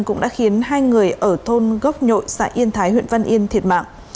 cũng đã khiến hai người ở thôn gốc nhội xã yên thái huyện văn yên thiệt mạng